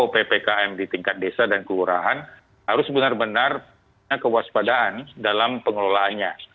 ppkm di tingkat desa dan keurahan harus benar benarnya kewaspadaan dalam pengelolaannya